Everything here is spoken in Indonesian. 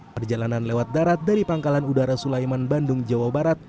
perjalanan lewat darat dari pangkalan udara sulaiman bandung jawa barat